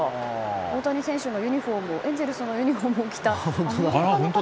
大谷選手のエンゼルスのユニホームを着た方